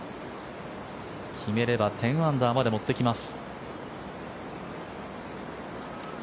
決めれば１０アンダーまで持っていきます。